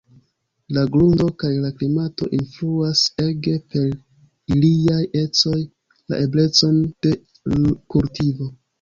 La grundo kaj la klimato influas ege per iliaj ecoj la eblecon de kultivo.